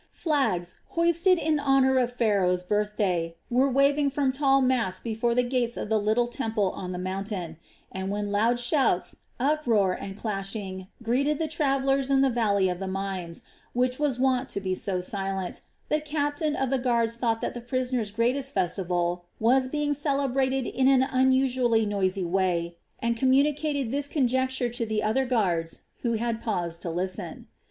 Flags, hoisted in honor of Pharaoh's birth day, were waving from tall masts before the gates of the little temple on the mountain; and when loud shouts, uproar, and clashing greeted the travellers in the valley of the mines, which was wont to be so silent, the captain of the guards thought that the prisoners' greatest festival was being celebrated in an unusually noisy way and communicated this conjecture to the other guards who had paused to listen.